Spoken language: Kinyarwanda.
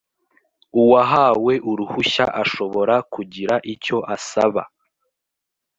uwahawe uruhushya ashobora kugira icyo asaba